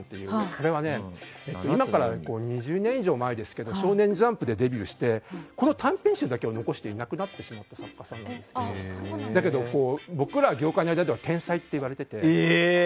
これは今から２０年以上前ですが「少年ジャンプ」でデビューしてこの短編集だけを残していなくなってしまった作家さんなんですが業界の間では天才と呼ばれてて。